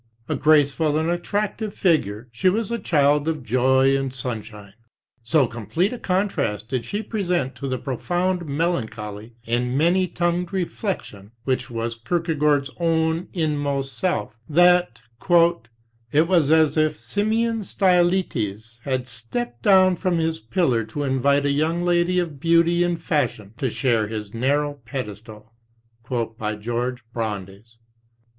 A graceful and attractive figure, she was a child of joy and sunshine. So complete a contrast did she present to the profound melancholy and many tongued reflection which was Kierkegaard's own inmost self, that "it was as if Simeon Stylites had stepped down from his pillar to invite a young lady of beauty and fashion to share his narrow pedestal." (Georg Brandes).